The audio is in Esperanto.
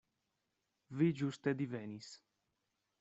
Vi ĝuste divenis.